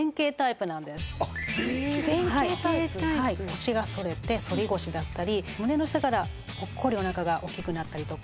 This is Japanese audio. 腰が反れて反り腰だったり胸の下からポッコリおなかがおっきくなったりとか。